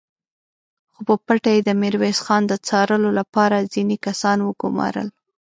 خو په پټه يې د ميرويس خان د څارلو له پاره ځينې کسان وګومارل!